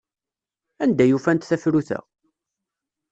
Anda ay ufant tafrut-a?